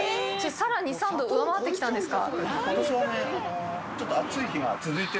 さらに３度上回ってきたんですか？